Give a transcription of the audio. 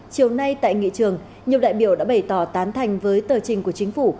chiều nay tại nghị trường nhiều đại biểu đã bày tỏ tán thành với tờ trình của chính phủ